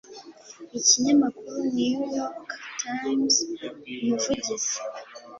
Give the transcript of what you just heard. Ikinyamakuru New York Times Umuvugizi